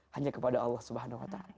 hanya kepada allah swt